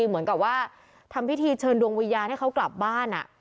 เหมือนกับว่าทำพิธีเชิญดวงวิญญาณให้เขากลับบ้าน